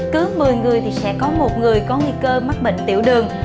cứ một mươi người thì sẽ có một người có nguy cơ mắc bệnh tiểu đường